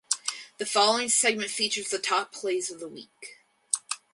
The following segment features the top plays of the week.